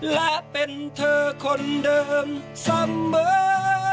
และเป็นเธอคนเดิมเสมอทุกเวลา